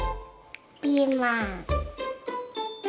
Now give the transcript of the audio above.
ピーマン。